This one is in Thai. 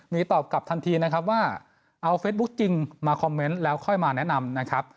มีตอบกลับทันทีว่าเอาเฟซบุ๊คจริงมาคอมเมนต์แล้วค่อยมาแนะนำ